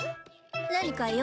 何か用？